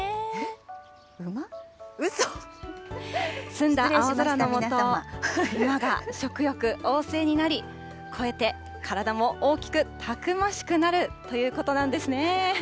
澄んだ青空の下、馬が食欲旺盛になり、肥えて体も大きくたくましくなるということなんですね。